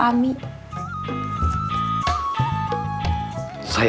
ami sudah tanya